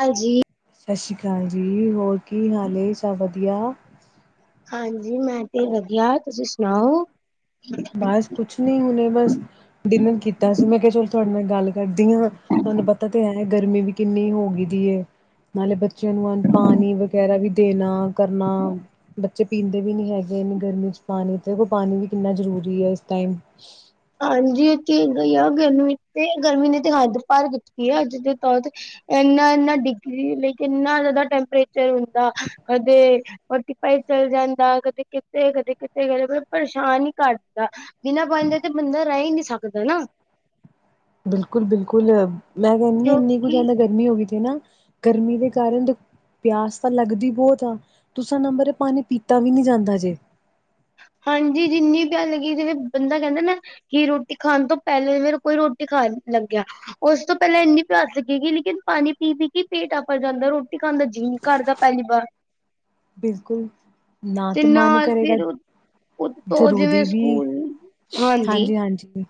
ਹਾਂਜੀ। ਸਤਿ ਸ਼੍ਰੀ ਅਕਾਲ ਜੀ ਹੋਰ ਕੀ ਹਾਲ ਏ ਸਭ ਵਧੀਆ। ਹਾਂਜੀ ਮੈਂ ਵੀ ਵਧੀਆ, ਤੁਸੀਂ ਸੁਣਾਓ? ਬਸ ਕੁੱਛ ਨੀ ਹੁਨੇ ਬਸ ਡਿਨਰ ਕੀਤਾ ਸੀ, ਮੈਂ ਕਿਹਾ ਚਲੋ ਤੁਹਾਡੇ ਨਾਲ ਗੱਲ ਕਰਦੀਆਂ ਤੁਹਾਨੂੰ ਪਤਾ ਤੇ ਐ ਇਹ ਗਰਮੀ ਵੀ ਕਿੰਨੀ ਹੋ ਗਈ ਦੀ ਹੈ, ਨਾਲੇ ਬੱਚਿਆਂ ਨੂੰ ਪਾਣੀ ਵਗੈਰਾ ਵੀ ਦੇਣਾ। ਕਰਨਾ ਬੱਚੇ ਪੀਂਦੇ ਵੀ ਨੀ ਹੈਗੇ ਇੰਨੀ ਗਰਮੀ 'ਚ ਪਾਣੀ, ਦੇਖੋ ਪਾਣੀ ਵੀ ਕਿੰਨਾ ਜ਼ਰੂਰੀ ਜਰੂਰੀ ਇਸ ਟਾਈਮ। ਹਾਂਜੀ ਚੀਖ ਗਈ ਆ ਗਰਮੀ ਤੇ ਨੇ ਤੇ ਹੱਦ ਪਾਰ ਹੈ ਅੱਜ ਦੇ ਤੌਰ ਤੇ ਇੰਨਾ- ਇੰਨਾ ਡਿਗਰੀ ਲਈ ਇੰਨਾ ਜ਼ਿਆਦਾ ਟੈਂਪਰੇਚਰ ਹੁੰਦਾ ਕਦੇ ਫੋਰਟੀ ਫਾਇਵ ਚੱਲ ਜਾਂਦਾ, ਕਦੇ ਕਿਥੇ ਕਦੇ ਕਿਥੇ, ਪਰੇਸ਼ਾਨ ਹੀ ਕਰ ਦਿੰਦਾ। ਬਿਨਾਂ ਪਾਣੀ ਤੋ ਬੰਦਾ ਰਹਿ ਨਹੀ ਸਕਦਾ ਨਾ ਬਿਲਕੁਲ- ਬਿਲਕੁਲ ਮੈਂ ਕਹਿੰਦੀ ਹਾਂ ਇੰਨੀ ਕੁਝ ਕਿਉਂਕਿ ਜਾਂਦਾ। ਗਰਮੀ ਹੋ ਗਈ ਸੀ ਨਾ, ਗਰਮੀ ਦੇ ਕਾਰਨ ਪਿਆਸ ਤਾਂ ਲੱਗਦੀ ਬਹੁਤ ਆ ਤੁਸਾ ਨੰਬਰ ਇਹ ਪਾਣੀ ਪੀਤਾ ਵੀ ਨੀ ਜਾਂਦਾ ਜੇ ਹਾਂਜੀ ਜਿੰਨੀ ਪਿਆਸ ਲੱਗੀ ਜਿਵੇਂ ਬੰਦਾ ਕਹਿੰਦਾ ਨਾ ਕਿ ਰੋਟੀ ਖਾਣ ਤੋਂ ਪਹਿਲੇ ਫੇਰ ਕੋਈ ਰੋਟੀ ਖਾਣ ਲੱਗਿਆ। ਉਸ ਤੋਂ ਪਹਿਲਾਂ ਇੰਨੀ ਪਿਆਸ ਲਗੇਗੀ ਲੇਕਿਨ ਪਾਣੀ ਪੀ- ਪੀ ਕੇ ਪੇਟ ਆਪਰ ਜਾਂਦਾ ਰੋਟੀ ਖਾਂਣਦਾ ਜੀ ਨਹੀਂ। ਕਰ ਦਾ ਪਹਿਲੀ ਵਾਰ। ਬਿਲਕੁਲ, ਨਾ ਤੇ ਤਾਂ ਮਨ ਨਾਲ ਕਰੇਗਾ। ਫਿਰ ਉਤੋਂ ਜ਼ਰੂਰ ਜਿਵੇਂ ਦੀਦੀ ਸਕੂਲ ਹਾਂਜੀ- ਹਾਂਜੀ।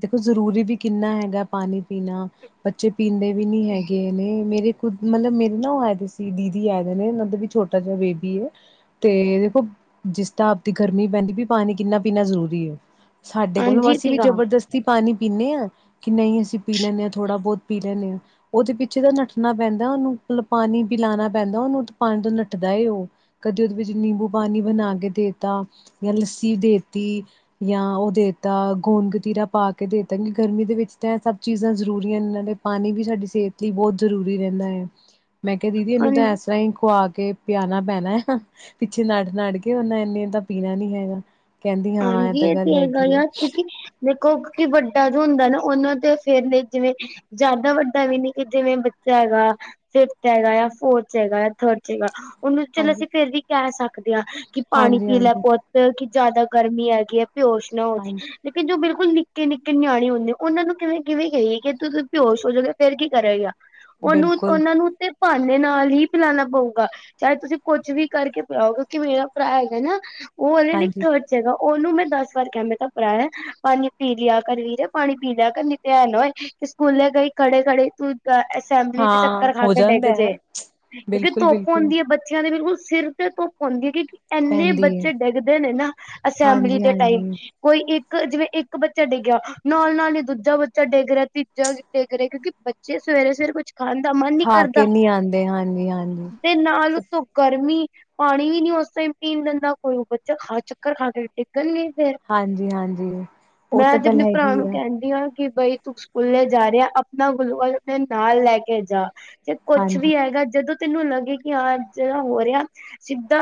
ਦੇਖੋ ਜ਼ਰੂਰੀ ਵੀ ਕਿੰਨਾ ਹੈਗਾ ਪਾਣੀ ਪੀਣਾ ਬੱਚੇ ਪੀਂਦੇ ਵੀ ਨਹੀ ਹੈਗੇ ਨੇ ਮੇਰੇ ਮਤਲਬ ਮੇਰੇ ਨਾ ਉਹ ਆਏ ਦੇ ਸੀ ਦੀਦੀ ਆਏ ਨੇ, ਉਹਨਾਂ ਦਾ ਵੀ ਛੋਟਾ ਜਿਹਾ ਬੇਬੀ ਏ। ਤੇ ਦੇਖੋ ਜਿਸ ਤ ਆਪਦੀ ਗਰਮੀ ਪੈਂਦੀ ਵੀ ਪਾਣੀ ਕਿੰਨਾ ਪੀਣਾ ਜ਼ਰੂਰੀ ਏ। ਸਾਡੇ ਕੋਲੋਂ ਹਾਂਜੀ ਅਸੀਂ ਵੀ ਠੀਕ ਆ ਜਬਰਦਸਤੀ ਪਾਣੀ ਪੀਂਨੇ ਆਂ, ਕਿ ਨਹੀਂ ਅਸੀਂ ਪੀ ਲੈਂਨੇ ਆਂ ਥੋੜ੍ਹਾ ਬਹੁਤ ਪੀ ਲੈਣੇ ਆ। ਉਹਦੇ ਪਿੱਛੇ ਤਾਂ ਨੱਠਣਾ ਪੈਂਦਾ ਉਨੂੰ ਮਤਲਬ ਪਾਣੀ ਪਿਲਾਉਣਾ ਪੈਂਦਾ ਉਹਨੂੰ, ਪਾਣੀ ਤੋਂ ਨਠਦਾ ਐ ਉਹ ਕਦੇ ਉਹਦੇ ਵਿੱਚ ਨਿੰਬੂ ਪਾਣੀ ਬਣਾ ਕੇ ਦੇ ਤਾ ਜਾਂ ਲੱਸੀ ਦੇਤੀ ਜਾਂ ਉਹ ਦੇਤਾ ਗੂੰਦ ਕਤੀਰਾ ਪਾ ਕੇ ਦੇ ਦਾਂਗੀ ਗਰਮੀ ਦੇ ਵਿੱਚ ਤਾਂ ਇਹ ਸਭ ਚੀਜ਼ਾਂ ਜ਼ਰੂਰੀ ਆਂਨ ਨਾਲੇ ਪਾਣੀ ਵੀ ਸਾਡੀ ਸਿਹਤ ਲਈ ਬਹੁਤ ਜ਼ਰੂਰੀ ਰਹਿੰਦਾ ਹੈ। ਮੈਂ ਕਿਹਾ ਦੀਦੀ ਇਹਨੂੰ ਹਾਂਜੀ ਤਾਂ ਇਸ ਤਰ੍ਹਾਂ ਹੀ ਖੁਆ ਕੇ ਪਿਆਣਾ ਪੈਣਾ ਹੈ। ਪਿੱਛੇ ਨਠ ਨਠ ਕੇ ਉਹਨਾ ਇੰਨੇ ਏ ਤਾਂ ਪੀਣਾ ਨੀ ਹੈਗਾ। ਕਹਿੰਦੀ ਹਾਂ ਇਹ ਹਾਂਜੀ ਤਾਂ ਗੱਲ ਤੇ ਹੈਗਾ ਹੈਗੀ ਐਂ। ਯਾਰ ਕਿਉਂਕਿ ਦੇਖੋ ਕਿ ਵੱਡਾ ਜੋ ਹੁੰਦਾ ਨਾ, ਉਹਨਾਂ ਦੇ ਸਿਹਤ ਲਈ ਜਿਵੇਂ ਜ਼ਿਆਦਾ ਵੱਡਾ ਵੀ ਨੀ ਕਿ ਜਿਵੇਂ ਬੱਚਾ ਹੈਗਾ। ਫਿਫਥ ਚ ਹੈਗਾ, ਯਾ ਫੋਰਥ ਹੈਗਾ, ਯਾ ਫੋਰਥ ਚ ਹੈਗਾ ਉਹਨੂੰ ਚਲ ਹਾਂਜੀ ਅਸੀਂ ਫੇਰ ਵੀ ਕਹਿ ਸਕਦੇ ਹਾਂ ਕਿ ਪਾਣੀ ਹਾਂਜੀ ਪੀ ਲੈ ਹਾਂਜੀ ਪੁੱਤ ਕੀ ਬਹੁਤ ਕਿ ਜ਼ਿਆਦਾ ਗਰਮੀ ਹੈਗੀ ਹੈ ਬੇਹੋਸ਼ ਨਾ ਹੋ ਹਾਂਜੀ ਜਾ ਈ ਲੇਕਿਨ ਜੋ ਬਿਲਕੁਲ ਨਿੱਕੇ ਨਿੱਕੇ ਨਿਆਣੇ ਹੁੰਦੇ ਉਹਨਾਂ ਨੂੰ ਕਿਵੇਂ ਕਿਵੇਂ ਕਹੀ ਕਿ ਤਸੀ ਬੇਹੋਸ਼ ਹੋ ਜਾਵੇਗਾ, ਫੇਰ ਕੀ ਕਰੇਗਾ ਉਹਨੂੰ ਬਿਲਕੁਲ ਉਹਨਾਂ ਨੂੰ ਤੇ ਬਹਾਨੇ ਨਾਲ ਹੀ ਪਿਲਾਣਾ ਪਊਗਾ ਚਾਹੇ ਤੁਸੀਂ ਕੁਛ ਵੀ ਕਰਕੇ ਪਿਆਓਗੇ ਕਿਉਂਕਿ ਮੇਰਾ ਭਰਾ ਹੈਗਾ ਨਾ ਉਹ ਉਹਦੇ ਲਈ ਹਾਂਜੀ ਥਰਡ ਚ ਹੈਗਾ, ਉਹਨੂੰ ਮੈਂ ਦਸ ਵਾਰ ਕ ਕਿਹਾ ਮੈਂ ਤਾਂਪਰਾ ਪਾਣੀ ਪੀ ਲਿਆ ਕਰ ਵੀਰ ਪਾਣੀ ਪੀ ਲਿਆ ਕਰ, ਨੀ ਤੇ ਐ ਨਾ ਹੋਏ ਸਕੂਲੇ ਗਈ ਖੜੇ ਖੜੇ ਤੂੰ -ਚਾ ਅਸੈਂਬਲੀ ਚ ਹਾਂ ਚੱਕਰ ਖਾ ਹੋ ਕੇ ਜਾਂਦਾ ਡਿੱਗ ਹੈ ਜੇ, ਕਿਉਂਕਿ ਬਿਲਕੁਲ ਧੁੱਪ ਬਿਲਕੁਲ ਹੁੰਦੀ ਏ ਬੱਚ ਬੱਚਿਆਂ ਦੇ ਬਿਲਕੁਲ ਸਿਰ ਤੇ ਧੁੱਪ ਹੁੰਦੀ ਐ, ਕਿਉਂਕਿ ਐਨੇ ਪੈਂਦੀ ਹੈ ਬੱਚੇ ਡਿੱਗਦੇ ਨੇ ਨਾ ਅਸੈਂਬਲੀ ਹਾਂਜੀ ਦੇ ਹਾਂਜੀ ਟਾਇਮ ਕੋਈ ਇੱਕ, ਜਿਵੇਂ ਇੱਕ ਬੱਚਾ ਡਿੱਗਿਆ ਨਾਲ -ਨਾਲ ਈ ਦੂਜਾ ਬੱਚਾ ਡਿੱਗ ਰਿਹਾ, ਤੀਜਾ ਡਿੱਗ ਰਿਹਾ, ਕਿਉਂਕਿ ਬੱਚੇ ਸਵੇਰੇ-ਸਵੇਰੇ ਕੁਛ ਖਾਣ ਦਾ ਮਨ ਨੀ ਖਾ ਕਰਦਾ ਕੇ ਨੀ ਆਂਦੇ ਹਾਂਜੀ-ਹਾਂਜੀ ਤੇ ਨਾਲ ਉਤੋਂ ਗਰਮੀ, ਪਾਣੀ ਵੀ ਨੀ ਉਸ ਟਾਇਮ ਪੀਣ ਦਿੰਦਾ ਕੋਈ ਉਹ ਬੱਚਾ ਖਾ ਚੁੱਕ ਚੱਕਰ ਖਾ ਕੇ ਡਿੱਗਣ ਗੇ ਈ ਫਿਰ, ਹਾਂਜੀ-ਹਾਂਜੀ ਉਹ ਮੈ ਤਾਂ ਤੇ ਗੱਲ ਆਪਣੇ ਭਰਾ ਹੈਗੀ ਨੂੰ ਕਹਿੰਦੀ ਆ ਕਿ ਬਈ ਤੂੰ ਸਕੂਲੇ ਜਾ ਰਿਹਾ ਆਪਣਾ [unintelligible] ਨਾਲ ਲੈ ਕੇ ਜਾ ਕੁੱਛ ਹਾਂਜੀ, ਵੀ ਹੈਗਾ ਜਦੋਂ ਤੈਨੂੰ ਲੱਗੇ ਕਿ ਹਾਂ ਜਿਹਾਂ ਹੋ ਰਿਹਾ, ਸਿੱਧਾ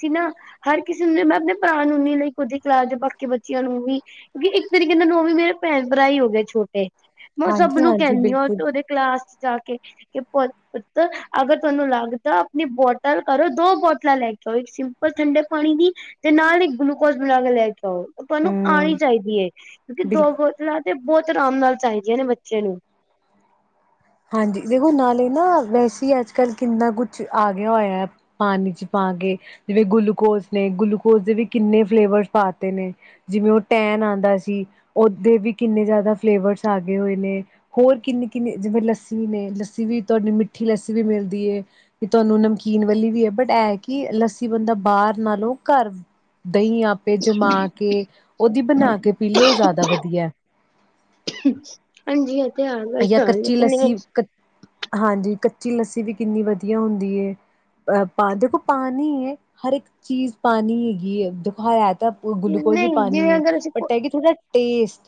ਸੀ ਨਾ ਹਰ ਕਿਸੇ ਨੂੰ ਮਾ ਨਈ ਭਰਾ ਨੂੰ ਨੀ ਲਾਈਕ ਓਹਦੇ ਕਲਾਸ ਦੇ ਬਾਕੀ ਬੱਚਿਆਂ ਨੂੰ ਵੀ ਕਿਉਂਕਿ ਇੱਕ ਤਰੀਕੇ ਨਾਲ ਉਹ ਵੀ ਮੇਰੇ ਭੈਣ ਭਰਾ ਹੀ ਹੋ ਗੇ ਛੋਟੇ, ਮੈਂ ਉਹ ਸਭ ਨੂੰ ਹਾਂਜੀ-ਹਾਂਜੀ ਕਹਿੰਨੀ ਆਂ ਬਿਲਕੁਲ ਉਹਦੇ ਕਲਾਸ ਚ ਜਾ ਕੇ ਕ ਪੁ -ਤਰ ਅਗਰ ਤੁਹਾਂਨੂੰ ਲੱਗਦਾ, ਆਪਣੀ ਬੋਤਲ ਘਰੋ ਦੋ ਬੋਤਲਾਂ ਲੈ ਕੇ ਆਓ ਇੱਕ ਸਿੰ -ਪਲ ਠੰਡੇ ਪਾਣੀ ਦੀ ਤੇ ਨਾਲ ਈ ਗਲੂਕੋਜ ਬਣਾ ਕੇ ਲੈ ਕੇ ਆਓ, ਤੁਹਾਨੂੰ ਆਣੀ ਹੂੰ ਚਾਹੀਦੀ ਐ ਕਿਉਂਕਿ ਬਿਲਕੁਲ ਦੋ ਬੋ -ਤਲਾ ਤੇ ਬਹੁਤ ਅਰਾਮ ਨਾਲ ਚਾਹੀਦੀਆਂ ਨੇ ਬੱਚੇ ਨੂੰ ਹਾਂਜੀ, ਦੇਖੋ ਨਾਲੇ ਨਾ ਵੈਸੇ ਈ ਅੱਜ ਕੱਲ ਕਿੰਨਾ ਕੁੱਛ ਆ ਗਿਆ ਹੋਇਆ ਐ ਪਾਣੀ ਚ ਪਾ ਕੇ, ਜਿਵੇਂ ਗਲੂਕੋਜ ਨੇ ਗਲੂਕੋਜ ਦੇ ਵੀ ਕਿੰਨੇ ਫਲੇਵਰਸ ਪਾਤੇ ਨੇ ਜਿਵੇਂ ਉਹ ਟੈਨ ਆਂਦਾ ਸੀ, ਓਦੇ ਵੀ ਕਿੰਨੇ ਜ਼ਿਆਦਾ ਫਲੇਵਰਸ ਆ ਗਏ ਹੋਏ ਨੇ ਹੋਰ ਕਿੰਨੀ- ਕਿੰਨੀ ਜਿਦਾਂ ਲੱਸੀ ਨੇ ਲੱਸੀ ਵੀ ਤੁਹਾਨੂੰ ਮਿੱਠੀ ਲੱਸੀ ਵੀ ਮਿਲਦੀ ਏ। ਤੁਹਾਨੂੰ ਨਮਕੀਨ ਵਾਲੀ ਵੀ ਐ, ਬਟ ਕਿ ਲੱਸੀ ਬੰਦਾ ਬਾਹਰ ਨਾਲੋਂ ਘਰ ਦਹੀਂ ਆਪੇ ਜਮਾ ਕੇ, ਉਹਦੀ ਬਣਾ ਕੇ ਪੀਲੇ, ਉਹ ਜ਼ਿਆਦਾ ਵਧੀਆ ਹਾਂਜੀ ਇਹ ਤਾਂ ਜਾਂ ਕੱਚੀ ਹੈਂ ਲੱਸੀ [unintelligible] ਕ ਹਾਂਜੀ, ਕੱਚੀ ਲੱਸੀ ਵੀ ਕਿੰਨੀ ਵਧੀਆ ਹੁੰਦੀ ਏ। ਅ ਪਾ ਦੇਖੋ ਪਾਣੀ ਏਂ, ਹਰ ਇੱਕ ਚੀਜ਼ ਪਾਣੀ ਹੈਗੀ ਦੇਖੋ ਹੈ ਤਾਂ ਗਲੂਕੋਜ ਵੀ ਨਹੀਂ ਪਾਣੀ ਜਿਵੇਂ ਏ ਅਗਰ ਅਸੀਂ ਬਟ ਐ ਕਿ ਥੋੜਾਂ ਟੇਸ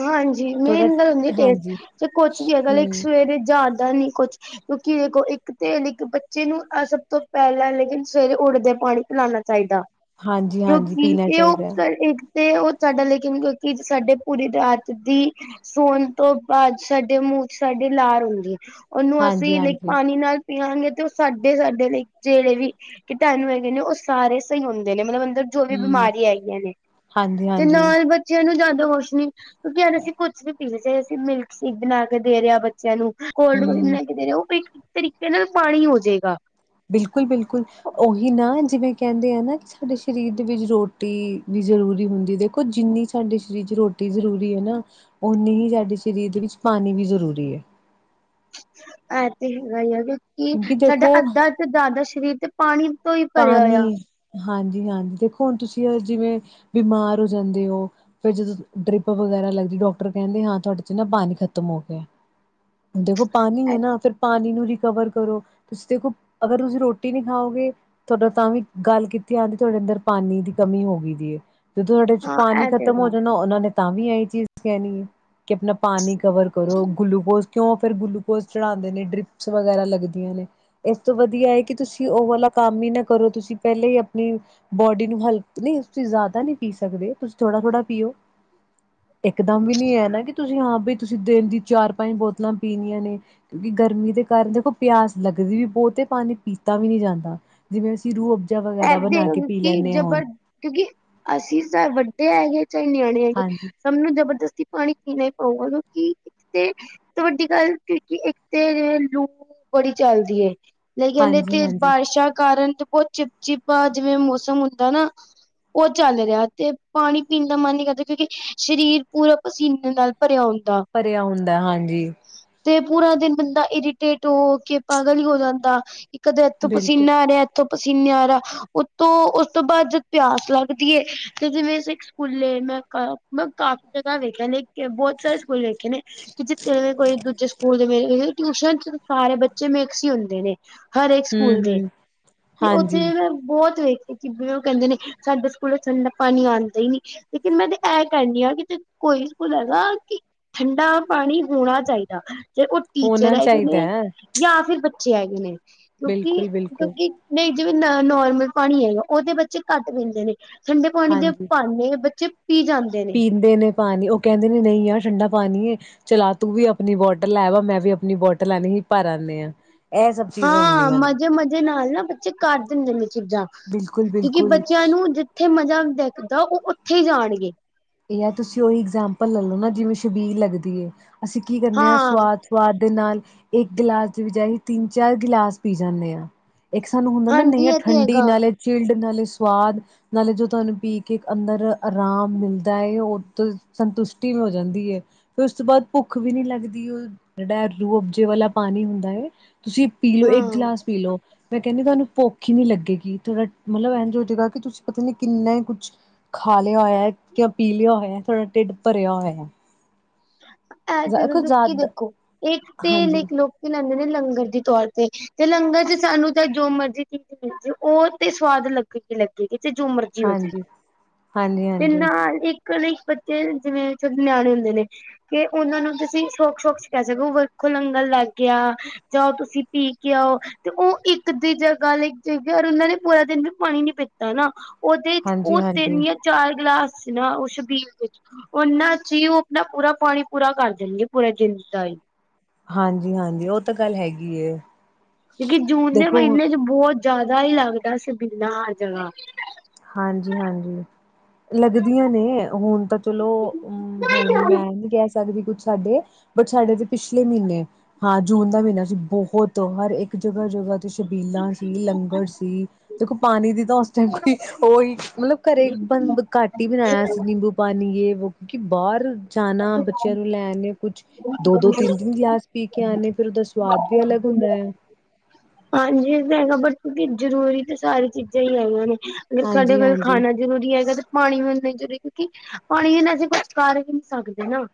ਹਾਂਜੀ ਮੇਨ ਗੱਲ ਹੁੰਦੀ ਏ ਟੇਸਟ, ਜੇ ਕੁਛ ਵੀ ਹੈਗਾ ਲਾਇਕ ਹਮ ਸਵੇਰੇ ਜਾਦਾ ਨੀ ਕੁਛ ਕਿਉਂਕਿ ਦੇਖੋ ਇੱਕ ਤੇ ਲ ਬੱਚੇ ਨੂੰ ਸਭ ਤੋਂ ਪਹਿਲਾ ਸਵੇਰੇ ਉੱਠਦੇ ਪਾਣੀ ਪਿਲਾਣਾ ਚਾਹੀਦਾ। ਹਾਂਜੀ ਹਾਂਜੀ ਕਿਉਂਕਿ ਪੀਣਾ ਇਹ ਉਹ ਚਾਹੀਦਾ ਹੈ। ਇੱਕ ਤੇ ਉਹ ਸਾਡਾ ਲੇਕਿਨ ਕਿਉਂਕਿ ਸਾਡੇ ਪੂਰੀ ਰਾਤ ਦੀ, ਸੋਣ ਤੋਂ ਬਾਅਦ ਸਾਡੇ ਮੂੰਹ ਚ ਸਾਡੀ ਲਾਰ ਹੁੰਦੀ ਐ। ਉਹਨੂੰ ਹਾਂਜੀ ਅਸੀਂ ਲਾਇਕ ਹਾਂਜੀ ਨਾਲ ਪੀਵਗੇ ਤੇ ਉਹ ਸਾਡੇ -ਸਾਡੇ ਲਈ ਜਿਹੜੇ ਵੀ ਕੀਟਾਣੂ ਹੈਗੇ ਨੇ ਉਹ ਸਾਰੇ ਸਹੀ ਹੁੰਦੇ ਨੇ ਮਤਲਬ ਅੰਦਰ ਜੋ ਵੀ ਹਮ ਬਿਮਾਰੀਆਂ ਹੈਗੀਆਂ, ਨੇ ਹਾਂਜੀ ਤੇ ਹਾਂਜੀ ਨਾਲ ਬ ਬੱਚਿਆ ਨੂੰ ਜ਼ਿਆਦਾ ਹੋਛ ਨੀ, ਕਿਉਂਕਿ ਯਾਰ ਅਸੀਂ ਕੁਛ ਵੀ ਪੀ ਜੇ ਅਸੀਂ ਮਿਲਕ ਸ਼ੇਕ ਬਣਾ ਕੇ ਦੇ ਰੇ ਆ ਬ ਬੱਚਿਆਂ ਨੂੰ ਕੋਲਡ ਕੌਫੀ ਹਮ ਬਣਾ ਕੇ ਦੇ ਰਹੇ ਆ, ਉਹ ਇੱਕ ਤਰੀਕੇ ਨਾਲ ਪਾਣੀ ਹੋਜੇਂਗਾ। ਬਿਲਕੁਲ- ਬਿਲਕੁਲ। ਉਹੀ ਨਾ ਜਿਵੇਂ ਕਹਿੰਦੇ ਆ ਨਾ ਕਿ ਸਾਡੇ ਸਰੀਰ ਦੇ ਵਿੱਚ ਰੋਟੀ ਵੀ ਜ਼ਰੂਰੀ ਹੁੰਦੀ ਦੇਖੋ ਜਿੰਨੀ ਸਾਡੇ ਸ਼ਰੀਰ ਚ ਰੋਟੀ ਜ਼ਰੂਰੀ ਐ ਨਾ, ਓਨੀ ਹੀ ਸਾਡੇ ਸ਼ਰੀਰ ਦੇ ਵਿੱਚ ਪਾਣੀ ਵੀ ਜ਼ਰੂਰੀ ਐ ਐਹ ਤੇ ਹੈਗਾ ਈ ਆ, ਕਿਉਕਿ ਕਿਉਂਕਿ ਸਾਡਾ ਦੇਖੋ ਅੱਧਾ ਤੋਂ ਜ਼ਿਆਦਾ ਸਰੀਰ ਤੇ ਪਾਣੀ ਤੋਂ ਈ ਪਾਣੀ, ਹਾਂਜੀ- ਹਾਂਜੀ ਦੇਖੋ ਹੁਣ ਤੁਸੀਂ ਜਿਵੇਂ ਬਿਮਾਰ ਹੋ ਜਾਂਦੇ ਓ ਫੇਰ ਜਦੋਂ ਡਰਿੱਪ ਵਗੈਰਾ ਲੱਗਦੀ ਡਾਕਟਰ ਕਹਿੰਦੇ ਹਾਂ ਤੁਹਾਡੇ 'ਚ ਨਾ ਪਾਣੀ ਖ਼ਤਮ ਹੋ ਗਿਆ। ਦੇਖੋ ਪਾਣੀ ਐ ਨਾ ਫਿਰ ਪਾਣੀ ਨੂੰ ਰਿਕਵਰ ਕਰੋ, ਤੁਸੀਂ ਦੇਖੋ ਅਗਰ ਤੁਸੀਂ ਰੋਟੀ ਨੀ ਖਾਓਗੇ ਤੁਹਾਡਾ ਤਾਂ ਵੀ ਗੱਲ ਕੀਤੀਆਂ ਦੀ ਤੁਹਾਡੇ ਅੰਦਰ ਪਾਣੀ ਦੀ ਕਮੀ ਹੋ ਗੀ ਦੀ ਏ ਜਡੇ ਚ ਹਾਂ ਪਾਣੀ ਇਹ ਤੇ ਖ਼ਤਮ ਹੋ ਹੈਗਾ ਜਾਂਣਾ ਓਨਾਂ ਨੇ ਤਾਂ ਵੀ ਏਹੀ ਚੀਜ਼ ਕੈਣੀ ਐ। ਕਿ ਆਪਣਾ ਪਾਣੀ ਕਵਰ ਕਰੋ ਗੁਲੂਕੋਜ਼ ਕਿਉਂ ਫਿਰ ਗੁਲੂਕੋਜ਼ ਚੜਾਂਦੇ ਨੇਂ, ਡਰਿਪਸ ਵਗੈਰਾ ਲੱਗਦੀਆਂ ਨੇਂ। ਇਸ ਤੋਂ ਵਧੀਆ ਐ ਕਿ ਤੁਸੀਂ ਓ ਵਾਲਾ ਕੰਮ ਈ ਨਾਂ ਕਰੋ ਤੁਸੀਂ ਪੈਲੇ ਈ ਆਪਣੀ ਬੋਡੀ ਨੂੰ ਹਲਕ ਨੀਂ ਤੁਸੀਂ ਜ਼ਿਆਦਾ ਨ੍ਹੀਂ ਪੀ ਸਕਦੇ। ਤੁਸੀਂ ਥੋੜਾ-ਥੋੜਾ ਪੀਓ। ਇਕਦਮ ਵੀ ਨੀਂ ਐ ਨਾਂ ਕਿ ਤੁਸੀਂ ਹਾਂ ਬੀ, ਤੁਸੀਂ ਦਿਨ ਦੀ ਚਾਰ-ਪੰਜ ਬੋਤਲਾਂ ਪੀਣੀਆਂ ਨੇਂ। ਕਿਉਂਕਿ ਗਰਮੀ ਦੇ ਕਾਰਨ ਦੇਖੋ, ਪਿਆਸ ਲੱਗਦੀ ਵੀ ਬੋਤ ਐ ਪਾਣੀ ਪੀਤਾ ਵੀ ਨੀਂ ਜਾਂਦਾ। ਜਿਵੇਂ ਅਸੀਂ ਰੂਹ ਅਫ਼ਜਾ ਵਗੈਰਾ ਬਣਾ ਕੇ ਇਹਦੇ ਪੀ ਕਿ ਲੈਂਨੈ ਹੁਣ ਜਬਰ ਕਿਉਂਕਿ ਅਸੀਂ ਸਾ ਵੱਡੇ ਹੈਗੇ ਚਾਏ ਨਿਆਣੇਂ ਹੈਗੇ ਹਾਂਜੀ ਸਾਨੂੰ ਜਬਰਦਸਤੀ ਪਾਣੀ ਪੀਣਾ ਈ ਪਊਗਾ ਨਾਂ ਕਿ ਪ ਤੇ ਸਭ ਤੋ ਵੱਡੀ ਗੱਲ ਕਿਉਂਕਿ ਇੱਕ ਤੇ ਲੂ ਬੜੀ ਚਲਦੀ ਐ। [unintelligible] ਹਾਂਜੀ ਤੇ ਹਾਂਜੀ ਬਾਰਿਸ਼ਾਂ ਕਾਰਨ ਤੇ ਬੋਤ ਚਿਪਚਿਪਾ ਜਿਵੇਂ ਮੌਸਮ ਹੁੰਦਾ ਨਾਂ ਓ ਚੱਲ ਰਿਆ ਤੇ ਪਾਣੀ ਪੀਣ ਦਾ ਮਨ ਨੀਂ ਕਰਦਾ ਕਿਉਂਕਿ ਸਰੀਰ ਪੂਰਾ ਪਸੀਨੇ ਨਾਲ ਭਰਿਆ ਹੁੰਦਾ। ਭਰਿਆ ਹੁੰਦਾ ਹਾਂਜੀ। ਤੇ ਪੂਰਾ ਦਿਨ ਬੰਦਾ ਇਰੀਟੇਟ ਹੋ-ਹੋ ਕੇ ਪਾਗ਼ਲ ਈ ਹੋ ਜਾਂਦਾ। ਕਦੇ ਏਥੋਂ ਬਿਲਕੁਲ ਪਸੀਨਾ ਆ ਰਿਆ, ਏਥੋਂ ਪਸੀਨਾ ਆ ਰਾ। ਉਤੋਂ ਉਸ ਤੋਂ ਬਾਅਦ ਜਦ ਪਿਆਸ ਲੱਗਦੀ ਏ ਤੇ ਜਿਵੇਂ ਅਸੀਂ ਸਕੂਲੇ ਮੈਂ ਕਾ ਮੈਂ ਕਾਫੀ ਜਗ੍ਹਾ ਵੇਖਿਆ ਨੇਂ ਬੋਤ ਸਾਰੇ ਸਕੂਲ ਵੇਖੇ ਨੇਂ ਕਿ ਜਿੱਥੇ ਦੇ ਕੋਈ ਦੂਜੇ ਸਕੂਲ ਦੇ ਮੇਰੇ ਟਿਊਸ਼ਨ ਚ ਤੇ ਸਾਰੇ ਬੱਚੇ ਮਿਕਸ ਈ ਹੁੰਦੇ ਨੇ। ਹਰੇਕ ਹੂੰ ਸਕੂਲ ਦੇ, ਹੂੰ ਤੇ ਉੱਥੇ ਹਾਂਜੀ ਏਦਾ ਬੋਹਤ ਵੇਖੇ ਕਿ ਓ ਕੇਂਦੇ ਨੇਂ ਸਾਡੇ ਸਕੂਲ ਠੰਡਾ ਪਾਣੀ ਆਂਦਾ ਈ ਨੀਂ ਲੇਕਿਨ ਮੈਂ ਤੇ ਐ ਕੈਣੀ ਆਂ ਕਿ ਕੋਈ ਸਕੂਲ ਹੈਗਾ ਕਿ ਠੰਡਾ ਪਾਣੀ ਹੋਣਾ ਚਾਈਦਾ, ਜੇ ਓ ਟੀਚਰ ਹੋਣਾ ਹੈਗੇ ਚਾਹੀਦਾ ਨੇਂ ਹੈ ਜਾਂ ਫਿਰ ਬੱਚੇ ਹੈਗੇ ਨੇਂ। ਕਿਉਂਕਿ ਬਿਲਕੁਲ ਬਿਲਕੁਲ ਕਿਉਂਕਿ ਨਈਂ ਜਿਵੇਂ ਨ ਨੋਰਮਲ ਪਾਣੀ ਹੈਗਾ ਓਹਤੇ ਬੱਚੇ ਘੱਟ ਪੀਂਦੇ ਨੇਂ, ਠੰਡੇ ਪਾਣੀ ਦੇ ਹਾਂਜੀ ਭਰਨੇ ਬੱਚੇ ਪੀ ਜਾਂਦੇ ਨੇ। ਪੀਂਦੇ ਨੇ ਪਾਣੀ ਓ ਕੇਂਦੇ ਨੇ ਨਈਂ ਯਾਰ ਠੰਡਾ ਪਾਣੀ ਏ ਚਲ ਆ ਤੂੰ ਵੀ ਆਪਣੀ ਬੋਟਲ ਲੈ ਵਾ ਮੈਂ ਵੀ ਆਪਣੀ ਬੋਟਲ ਲੈਣੀ ਭਰ ਆਨੇ ਆਂ। ਹਾਂ, ਹਾਂ, ਹਾਂ। ਮਜ਼ੇ-ਮਜੇ ਨਾਲ ਨਾਂ ਬੱਚੇ ਕਰ ਦਿੰਦੇ ਨੇਂ ਚੀਜ਼ਾਂ ਕਿਉਂਕਿ ਬਿਲਕੁਲ-ਬਿਲਕੁਲ ਬੱਚਿਆਂ ਨੂੰ ਜਿੱਥੇ ਮਜ਼ਾ ਦਿੱਖਦਾ, ਓ ਓਥੇ ਈ ਜਾਣਗੇ। ਏ ਐ ਤੁਸੀਂ ਓਹੀ ਇਗਜਾਮਪਲ ਲੱਲੋ ਨਾਂ ਜਿਵੇਂ ਸ਼ਬੀਲ ਲੱਗਦੀ ਐ, ਅਸੀਂ ਕੀ ਕਰਨੇ ਆਂ ਹਾਂ ਸਵਾਦ ਸਵਾਦ ਦੇ ਨਾਲ, ਇੱਕ ਗਿਲਾਸ ਦੇ ਵਿਜਾਏ ਤਿੰਨ-ਚਾਰ ਗਿਲਾਸ ਪੀ ਜਾਂਣੇ ਆਂ। ਇੱਕ ਸਾਨੂੰ ਹੁੰਦਾ ਨਾਂ ਨਈਂ ਹਾਂਜੀ ਐ ਇਹ ਤੇ ਠੰਡੀ ਹੈਗਾ ਨਾਲੇ ਚਿਲਡ ਨਾਲੇ ਸਵਾਦ, ਨਾਲੇ ਜੋ ਤੁਆਨੂੰ ਪੀ ਕੇ ਅੰਦਰ ਆਰਾਮ ਮਿਲਦਾ ਏ, ਓ [unintelligible] ਸੰਤੁਸ਼ਟੀ ਹੋ ਜਾਂਦੀ ਐ। ਫਿਰ ਉਸ ਤੋਂ ਬਾਅਦ ਭੁੱਖ ਵੀ ਨ੍ਹੀਂ ਲੱਗਦੀ। ਓ ਜੇੜਾ ਰੂ ਅਬਜੇ ਵਾਲਾ ਪਾਣੀ ਹੁੰਦਾ ਐ ਤੁਸੀਂ ਪੀਲੋ, ਇੱਕ ਹਾਂ ਗਲਾਸ ਪੀ ਲੋ ਮੈਂ ਕੈਣੀ ਤਾਨੂੰ ਭੁੱਖ ਈ ਨੀਂ ਲੱਗੇਗੀ, ਥੋੜਾ ਮਤਲਬ ਏਂਜ ਹੋ ਜਏਗਾ ਕਿ ਤੁਸੀਂ ਪਤਾ ਨੀਂ ਕਿੰਨਾ ਈ ਕੁਛ ਖਾ ਲਿਆ ਹੋਇਆ ਜਾਂ ਪੀ ਲਿਆ ਹੋਇਆ। ਥੋੜ੍ਹਾ ਢਿੱਡ ਭਰਿਆ ਹੋਇਆ। ਐ ਤੇ ਦ ਕੁਝ ਦਕੀ ਜ਼ਿਆਦਾ ਦੇਖੋ ਇੱਕ ਤੇ ਹਾਂਜੀ ਲਈਕ ਲੋਕੀ ਲੈਂਦੇ ਨੇ ਲੰਗਰ ਦੇ ਤੌਰ ਤੇ ਤੇ ਲੰਗਰ ਚ ਸਾਨੂੰ ਤਾਂ ਜੋ ਮਰਜ਼ੀ ਚੀਜ਼ ਮਿਲਜੇ ਓ ਤੇ ਸਵਾਦ ਲੱਗੇਗੀ, ਲੱਗੇਗੀ ਤੇ ਜੋ ਮਰਜ਼ ਜੀ ਹੋ ਜੇ ਹਾਂਜੀ ਹਾਂਜੀ ਹਾਂਜੀ ਤੇ ਨਾਲ ਇੱਕ ਨਾਂ ਇੱਕ ਬੱਚੇ ਜਿਵੇਂ ਏਥੇ ਨਿਆਣੇ ਹੁੰਦੇ ਨੇਂ। ਕਿ ਓਨਾਂ ਨੂੰ ਤੁਸੀਂ ਸ਼ੋਕ-ਸ਼ੋਕ ਚ ਕੈਅ ਸਕੋ, ਵਰਖੋਂ ਲੰਗਣ ਲੱਗ ਗਿਆ। ਜਾਓ ਤੁਸੀਂ ਪੀ ਕੇ ਆਓ। ਤੇ ਉਹ ਇੱਕ ਦੀ ਜਗ੍ਹਾ ਲਈ ਜੇਕਰ ਉਹਨਾਂ ਨੇ ਪੂਰਾ ਦਿਨ ਵੀ ਪਾਣੀ ਨੀ ਪੀਤਾ ਨਾ। ਉਹਦੇ ਚ ਹਾਂਜੀ ਉਹ ਹਾਂਜੀ ਤਿੰਨ ਜਾਂ ਚਾਰ ਗਲਾਸ ਸੀ ਨਾ ਉਸ ਛਬੀਲ ਵਿੱਚ ਉਹਨਾਂ ਚ ਹੀ ਉਹ ਨਾ ਪੂਰਾ ਪਾਣੀ ਪੂਰਾ ਕਰ ਦੇਣਗੇ ਪੂਰਾ ਦਿਨ ਚ ਚਾਹੇ। ਹਾਂਜੀ -ਹਾਂਜੀ, ਉਹ ਤਾਂ ਗੱਲ ਹੈਗੀ ਐ। ਕਿਉਂਕਿ ਜੂਨ ਦੇ ਮਹੀਨੇ ਚ ਬਹੁਤ ਜ਼ਿਆਦਾ ਹੀ ਲੱਗਦਾ ਸੀ ਛਬੀਲਾ ਹਰ ਜਗ੍ਹਾ। ਹਾਂਜੀ -ਹਾਂਜੀ। ਲੱਗਦੀਆਂ ਨੇ ਹੁਣ ਤਾਂ ਚਲੋ ਅਮ ਹੁਣ ਮੈਂ ਨਹੀਂ ਕਹਿ ਸਕਦੀ ਕੁੱਛ ਸਾਡੇ। ਬਟ ਸਾਡੇ ਤੇ ਪਿਛਲੇ ਮਹੀਨੇ ਹਾਂ ਜੂਨ ਦਾ ਮਹੀਨਾ ਸੀ ਬਹੁਤ ਹਰ ਇੱਕ ਜਗ੍ਹਾ ਜਗ੍ਹਾ ਤੇ। ਛਬੀਲਾਂ ਸੀ ਲੰਗਰ ਸੀ ਦੇਖੋ ਪਾਣੀ ਦੀ ਤਾਂ ਉਸ ਟਾਈਮ। ਉਹੀ ਮਤਲਬ ਘਰੇ ਬੰ ਘੱਟ ਹੀ ਬਣਾਇਆ ਸੀ ਨਿੰਬੂ ਪਾਣੀ ਯੇ ਵੋ। ਕਿਉਕਿ ਬਾਹਰ ਜਾਣਾ ਬੱਚਿਆਂ ਨੂੰ ਲੈਣ ਕੁੱਛ ਦੋ -ਦੋ ਤਿੰਨ- ਤਿੰਨ ਗਲਾਸ। ਪੀ ਕੇ ਆਣੇ ਫਿਰ ਉਹਦਾ ਸਵਾਦ ਵੀ ਅਲੱਗ ਹੁੰਦਾ ਆ। ਹਾਂਜੀ ਇਹ ਤਾਂ ਹੈਗਾ ਬਟ ਕਿਉਕਿ ਜ਼ਰੂਰੀ ਤਾਂ ਸਾਰੀਆਂ ਚੀਜ਼ਾਂ ਹੀ ਹੈਗੀਆਂ ਨੇ ਸਾਡੇ ਹਾਂਜੀ ਕੋਲ ਹਾਂਜੀ ਖਾਣਾ ਜ਼ਰੂਰੀ ਹੈਗਾ ਤੇ ਪਾਣੀ ਵੀ ਉਨੀ ਜ਼ਰੂਰੀ ਕਿਉਂਕਿ ਪਾਣੀ ਬਿਨਾਂ ਅਸੀਂ ਕੁਛ ਕਰ ਹੀ ਨੀ ਸਕਦੇ ਨਾ।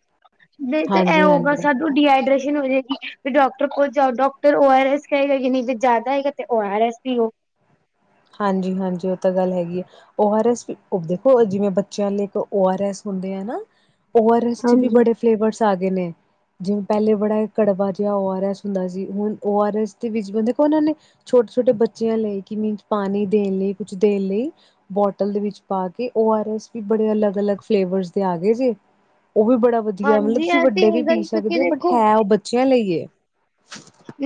ਨਹੀਂ ਤੇ ਇਹ ਹਾਂਜੀ ਹੋਊਗਾ ਹਾਂਜੀ ਸਾਡੇ। ਡੀਹਾਈਡ੍ਰੇਸ਼ਨ ਹੋ ਜਾਏਗੀ ਫਿਰ ਡਾਕਟਰ ਕੋਲ ਜਾਓ ਡਾਕਟਰ ਓ ਆਰ ਐਸ ਕਹੇਗਾ ਕਿ ਜਿੰਨੀ। ਜੇ ਜ਼ਿਆਦਾ ਹੈਗਾ ਤੇ ਓ ਆਰ ਐਸ ਪੀਓ ਹਾਂਜੀ -ਹਾਂਜੀ, ਉਹ ਤਾਂ ਗੱਲ ਹੈਗੀ ਆ। ਓ ਆਰ ਐਸ ਦੇਖੋ ਜਿਵੇਂ ਬੱਚਿਆਂ ਲਈ ਇੱਕ ਓ ਆਰ ਐਸ ਹੁੰਦੇ ਆ ਨਾ। ਓ ਆਰ ਐਸ ਚ ਵੀ ਹਾਂਜੀ ਬੜੇ ਫਲੇਵਰਸ ਆ ਗਏ ਨੇ। ਜਿਵੇਂ ਪਹਿਲੇ ਬੜਾ ਕੜਵਾ ਜਿਹਾ ਓ ਆਰ ਐਸ ਹੁੰਦਾ ਸੀ, ਹੁਣ ਓ ਆਰ ਐਸ ਦੇ ਵਿੱਚ ਵੀ ਦੇਖੋ ਉਹਨਾਂ ਨੇ। ਛੋਟੇ- ਛੋਟੇ ਬੱਚਿਆਂ ਲਈ ਕਿ ਮੀਨ ਪਾਣੀ ਦੇਣ ਲਈ ਕੁਛ ਦੇਣ ਲਈ। ਬੋਟਲ ਦੇ ਵਿਚ ਪਾ ਕੇ ਓ ਆਰ ਐਸ ਵੀ ਬੜੇ ਅਲੱਗ- ਅਲੱਗ ਫਲੇਵਰ ਦੇ ਆ ਗਏ ਜੇ। ਉਹ ਵੀ ਬੜਾ ਵਧੀਆ ਮਤਲਬ ਹਾਂਜੀ ਤੁਸੀਂ ਇਹ ਤੇ ਵੱਡੇ ਵੀ ਹੈਗਾ ਪੀ ਹੀ ਕਿਉਂਕਿ ਸਕਦੇ ਹੋ ਬਟ ਦੇਖੋ ਹੈ ਉਹ ਬੱਚਿਆਂ ਲਈ ਐ।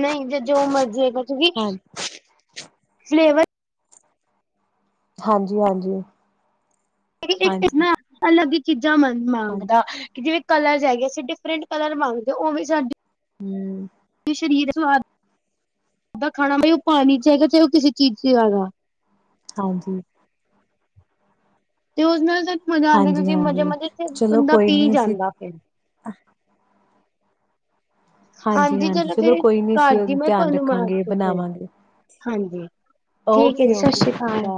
ਨਹੀਂ ਜੋ ਮਰਜ਼ੀ ਹੈਗਾ, ਕਿਉਂਕਿ ਫਲੇਵਰ। ਹਾਂਜੀ- ਹਾਂਜੀ। ਇੱਕ ਨਾ ਅਲੱਗ ਹੀ ਚੀਜ਼ਾਂ ਮੰਗਦਾ। ਜਿਵੇਂ ਕਲਰਜ ਹੈਗੇ ਅਸੀਂ ਡਿਫਰੈਂਟ ਕਲਰ ਮੰਗਦੇ, ਉਹ ਵੀ ਸਾਡੇ ਹੂੰ ਫ੍ਰੀ ਦਾ ਸਵਾਦ ਦਾ ਖਾਣਾ ਬਈ ਉਹ ਪਾਣੀ ਚ ਆਏਗਾ, ਚਾਹੇ ਉਹ ਕਿਸੇ ਚੀਜ਼ ਚ ਆਏਗਾ। ਹਾਂਜੀ। ਤੇ ਉਸ ਨਾਲ ਤਾ ਮਜ਼ਾ ਆਉਂਦਾ, ਕਿਉਂਕਿ ਮਜ਼ੇ ਹਾਂਜੀ-ਹਾਂਜੀ ਮਜ਼ੇ 'ਚ ਚਲੋ ਬੰਦਾ ਕੋਈ ਪੀ ਨੀ ਅਸੀਂ ਜਾਂਦਾ ਫਿਰ। ਹਾਂਜੀ ਹਾਂਜੀ-ਹਾਂਜੀ ਚਲੋ ਫਿਰ ਕੋਈ ਨੀ ਘਰ ਅਸੀਂ ਦੀ ਮੈਂ ਧਿਆਨ ਤੁਹਾਨੂੰ ਮਾਰ ਰੱਖਾਂਗੇ ਚੁਪ ਏ ਫਿਰ ਬਣਾਵਾਂਗੇ ਹਾਂਜੀ। ਠੀਕ ਹੈ ਜੀ, ਓਕੇ-ਓਕੇ ਸਸ੍ਰੀ ਸਤਿ ਸ਼੍ਰੀ ਅਕਾਲ।